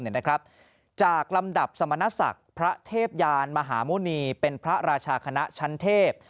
เนี่ยนะครับจากลำดับสมณสักพระเทพยานมหาโมนีเป็นพระราชาคณะชันเทพ